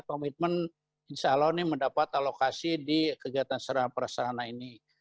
komitmen insyaallah ini mendapat alokasi di kegiatan sarana perasarana ini